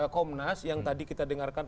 komnas yang tadi kita dengarkan